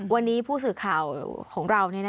วันนี้ผู้สื่อข่าวของเรา